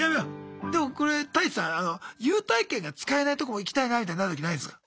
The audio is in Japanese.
でもこれタイチさん優待券が使えないとこも行きたいなみたいになる時ないすか？